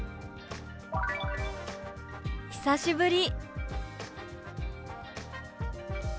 「久しぶり」。